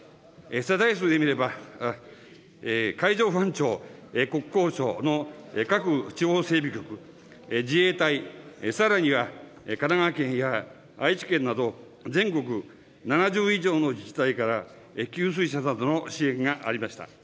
海上保安庁、国交省の各地方整備局、自衛隊、さらには神奈川県や愛知県など全国７０以上の自治体から、給水車などの支援がありました。